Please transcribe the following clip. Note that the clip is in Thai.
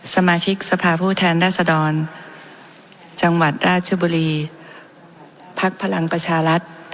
สมาชิกสภาพผู้แทนรัศดรจังหวัดราชบุรีภักดิ์พลังประชารัฐ